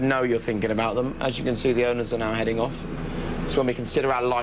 มันเขาเป็นห้องกระจกแล้วข้างหลังก็จะเห็นสนามใช่ไหมแต่เสียงมันจะเบาหน่อย